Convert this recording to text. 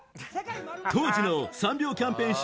当時の３秒キャンペーン